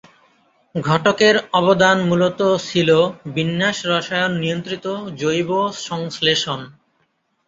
ঘটকের অবদান মূলত ছিল বিন্যাস রসায়ন নিয়ন্ত্রিত জৈব সংশ্লেষণ।